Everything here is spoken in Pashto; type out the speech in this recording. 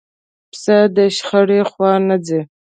پسه د شخړې خوا نه ځي.